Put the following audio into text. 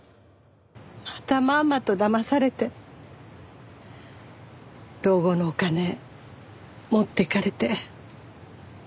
またまんまとだまされて老後のお金持っていかれて。